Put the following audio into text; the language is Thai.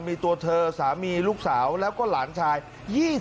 มีตัวเธอสามีลูกสาวแล้วก็หลานชาย